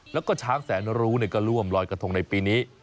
แล้วก็ช้างแสนรู้ก็ร่วมลอยกระทงในปีนี้